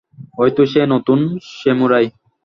ওইতো সে, নতুন স্যামুরাই।